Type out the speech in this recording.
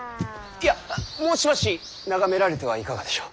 いやもうしばし眺められてはいかがでしょう。